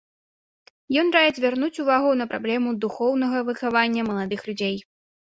Ён раіць звярнуць увагу на праблему духоўнага выхавання маладых людзей.